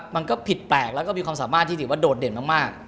มันก็ผิดแปลกแล้วก็มีความสามารถที่ถือว่าโดดเด่นมาก